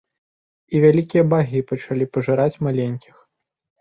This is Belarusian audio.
І вялікія багі пачалі пажыраць маленькіх.